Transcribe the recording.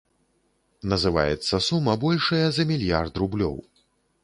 Называецца сума большая за мільярд рублёў.